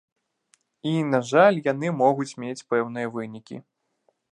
І, на жаль, яны могуць мець пэўныя вынікі.